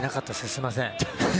すみません。